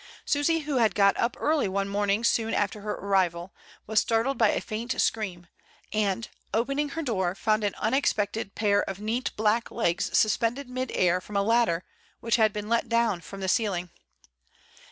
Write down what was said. Susy, who had got up early one morn ing soon after her arrival, was startled by a faint scream, and, opening her door, found an unexpected pair of neat black legs suspended mid air from a ladder which had been let down from the ceiling.